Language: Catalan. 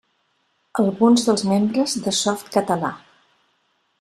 Alguns dels membres de Softcatalà.